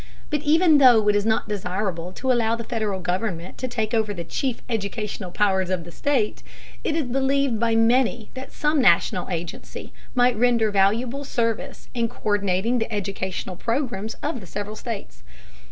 But even though it is not desirable to allow the Federal government to take over the chief educational powers of the state, it is believed by many that some national agency might render valuable service in co÷rdinating the educational programs of the several states.